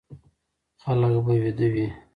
خلک به ويده وي،